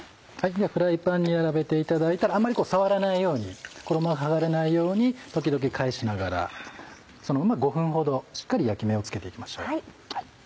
フライパンに並べていただいたらあんまり触らないように衣が剥がれないように時々返しながらそのまま５分ほどしっかり焼き目をつけていきましょう。